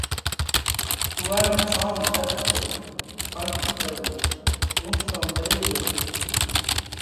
اُوئا نئہ جوم ۮک ٿيو پڻ ڪِي ڪروو، اُونٺ تو مري ڳيو تو۔